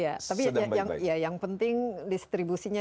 ya tapi yang penting distribusinya